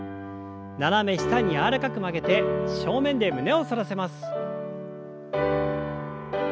斜め下に柔らかく曲げて正面で胸を反らせます。